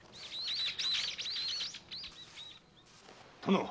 殿。